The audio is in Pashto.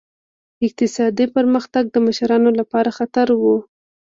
اقتصادي پرمختګ د مشرانو لپاره خطر و.